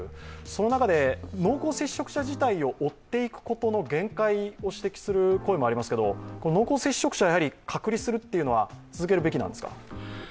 その中で濃厚接触者自体を追っていくことの限界を指摘する声もありますけど濃厚接触者はやはり隔離するというのは続けるべきなんですか？